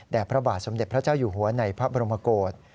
พระบาทสมเด็จพระเจ้าอยู่หัวในพระบรมกฏ